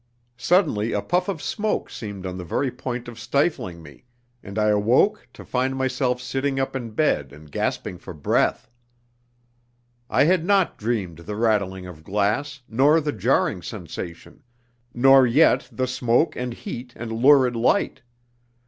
Suddenly a puff of smoke seemed on the very point of stifling me, and I awoke to find myself sitting up in bed and gasping for breath. I had not dreamed the rattling of glass, nor the jarring sensation, nor yet the smoke and heat and lurid light.